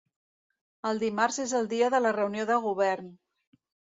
El dimarts és el dia de la reunió de govern.